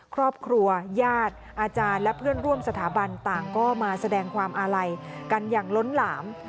ครอบครัวญาติอาจารย์และเพื่อนร่วมสถาบันต่างก็มาแสดงความอาลัยกันอย่างล้นหลาม